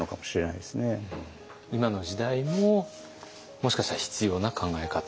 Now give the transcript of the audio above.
今の時代ももしかしたら必要な考え方？